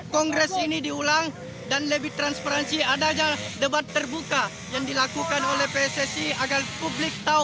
kongres ini diulang dan lebih transparansi adanya debat terbuka yang dilakukan oleh pssi agar publik tahu